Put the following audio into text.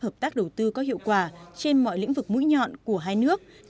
hợp tác đầu tư có hiệu quả trên mọi lĩnh vực mũi nhọn của hai nước